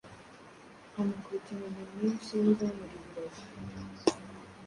amukubita inkoni nyinshi nk’izanura ibirago,